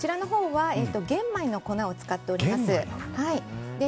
玄米の粉を使っております。